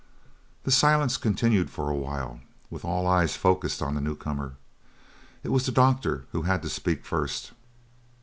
The silence continued for a while, with all eyes focused on the new comer. It was the doctor who had to speak first.